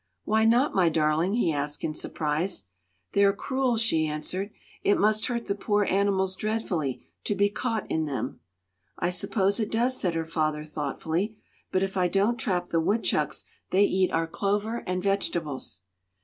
"Why not, my darling?" he asked in surprise. "They're cruel," she answered. "It must hurt the poor animals dreadfully to be caught in them." "I suppose it does," said her father, thoughtfully. "But if I don't trap the woodchucks they eat our clover and vegetables."